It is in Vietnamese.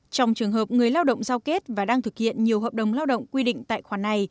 trong trường hợp người lao động giao kết và đang thực hiện nhiều hợp đồng lao động quy định tại khoản này